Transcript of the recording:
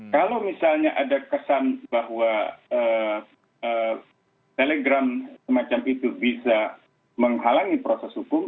kalau misalnya ada kesan bahwa telegram semacam itu bisa menghalangi proses hukum